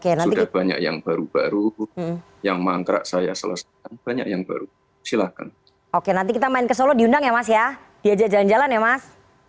sudah banyak yang baru baru yang mangkrak saya selesaikan banyak yang baru silahkan oke nanti kita main ke solo diundang ya mas ya diajak jalan jalan ya mas